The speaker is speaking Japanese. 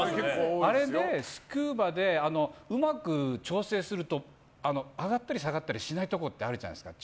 スキューバでうまく調整すると上がったり下がったりしないところあるじゃないですか。